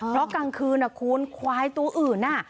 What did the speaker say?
เพราะกลางคืนคุณควายตัวอื่นน่ะ